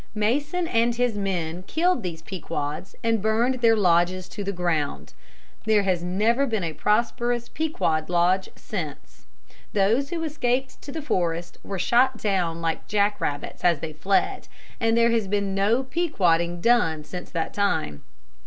Mason and his men killed these Pequods and burned their lodges to the ground. There has never been a prosperous Pequod lodge since. Those who escaped to the forest were shot down like jack rabbits as they fled, and there has been no Pequoding done since that time.